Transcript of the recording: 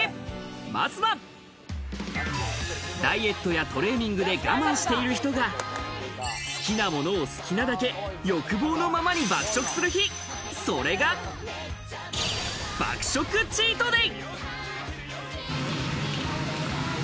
まずはダイエットやトレーニングで我慢している人が好きなものを好きなだけ欲望のままに爆食する日、それが爆食チートデイ。